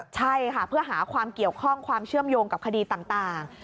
ใช่ค่ะเพื่อหาความเกี่ยวข้องความเชื่อมโยงกับคดีต่าง